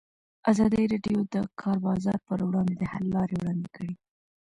ازادي راډیو د د کار بازار پر وړاندې د حل لارې وړاندې کړي.